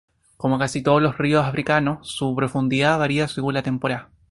Como casi todos los ríos africanos, su profundidad varía según la temporada.